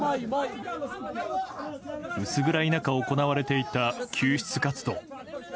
薄暗い中行われていた救出活動。